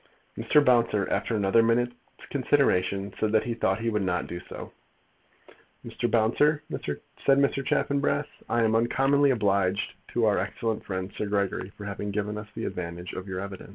Mr. Bouncer, after another minute's consideration, said that he thought he would not do so. "Mr. Bouncer," said Mr. Chaffanbrass, "I am uncommonly obliged to our excellent friend, Sir Gregory, for having given us the advantage of your evidence."